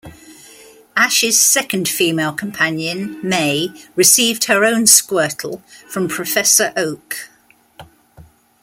Ash's second female companion, May received her own Squirtle from Professor Oak.